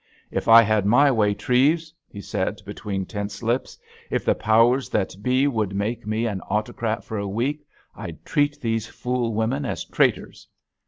"If I had my way, Treves," he said between tense lips, "if the powers that be would make me autocrat for a week, I'd treat these fool women as traitors.